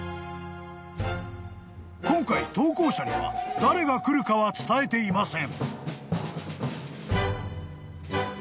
［今回投稿者には誰が来るかは伝えていません］